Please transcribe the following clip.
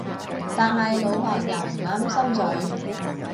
但係老婆又唔啱心水